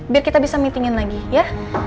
biar kita bisa meeting in lagi ya